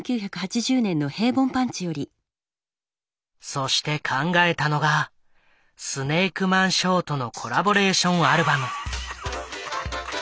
そして考えたのがスネークマンショーとのコラボレーションアルバム。